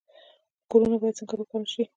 کورونه باید څنګه روښانه شي؟